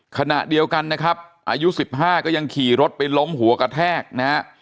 ขณะเดียวกันนะครับอายุ๑๕ก็ยังขี่รถไปล้มหัวกระแทกนะฮะ